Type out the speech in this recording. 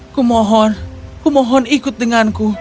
aku mohon aku mohon ikut denganmu